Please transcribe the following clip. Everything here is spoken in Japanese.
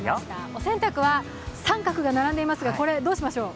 お洗濯は△が並んでいますが、これどうしましょう？